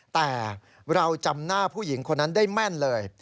แต่เราจำหน้าผู้หญิงคนนั้นได้แม่นเลย